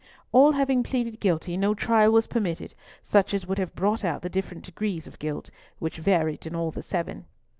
All having pleaded guilty, no trial was permitted, such as would have brought out the different degrees of guilt, which varied in all the seven.